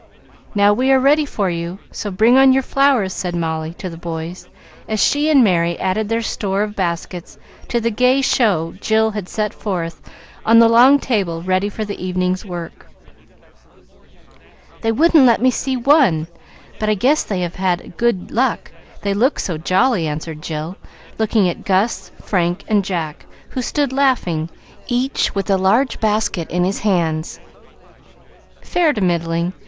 "Now we are ready for you, so bring on your flowers," said Molly to the boys, as she and Merry added their store of baskets to the gay show Jill had set forth on the long table ready for the evening's work. "They wouldn't let me see one, but I guess they have had good luck, they look so jolly," answered Jill, looking at Gus, Frank, and Jack, who stood laughing, each with a large basket in his hands. "Fair to middling.